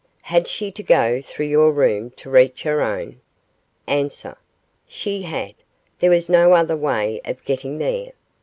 Had she to go through your room to reach her own? A. She had. There was no other way of getting there.